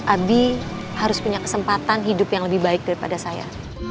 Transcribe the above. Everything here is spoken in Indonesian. abi harus punya kesempatan hidup yang lebih baik daripada saya